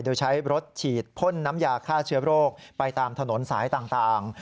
โดยใช้รถฉีดพ่นน้ำยาฆ่าเชื้อโรคไปตามถนนสายต่าง